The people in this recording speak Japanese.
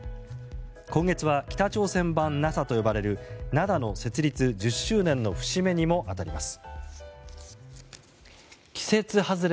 今月は北朝鮮版ＮＡＳＡと呼ばれるＮＡＤＡの設立１０周年の節目にも当たります。